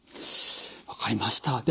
分かりました。